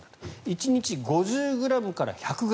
１日５０ｇから１００ｇ